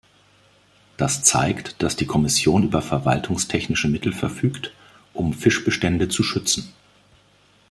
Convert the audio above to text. Das zeigt, dass die Kommission über verwaltungstechnische Mittel verfügt, um Fischbestände zu schützen.